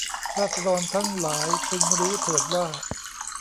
ราษฎรทั้งหลายพึงรู้เถิดว่า